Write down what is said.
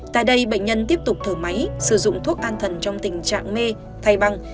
tại đây bệnh nhân tiếp tục thở máy sử dụng thuốc an thần trong tình trạng mê thay băng